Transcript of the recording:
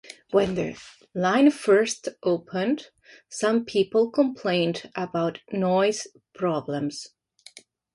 When the line first opened, some people complained about noise problems.